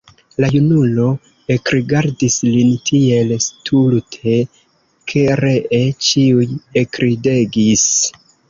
La junulo ekrigardis lin tiel stulte, ke ree ĉiuj ekridegis.